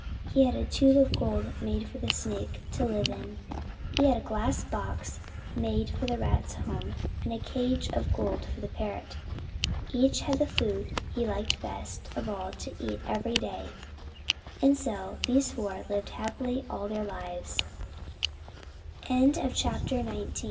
He had a tube of gold made for the Snake to live in. He had a glass box made for the Rat's home, and a cage of gold for the Parrot. Each had the food he liked best of all to eat every day, and so these four lived happily all their lives. XX BEAU